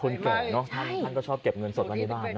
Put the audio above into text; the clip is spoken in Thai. คือคนเก่านะท่านก็ชอบเก็บเงินสดฐานในบ้านนะ